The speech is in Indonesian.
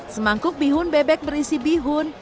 semangkuk bihun bebek berisi bihun